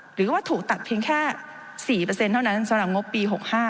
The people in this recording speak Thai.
หรือว่าถูกตัดเพียงแค่๔เปอร์เซ็นต์เท่านั้นให้สำหรับงบปี๖๕